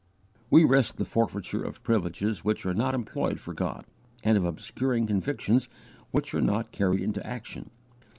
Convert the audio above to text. We risk the forfeiture of privileges which are not employed for God, and of obscuring convictions which are not carried into action.